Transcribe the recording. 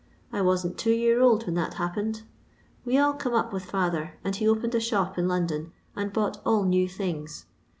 I wasn't two year old when that happened. We all come up with fiuher, and he openwi a shop in London and bought all new things.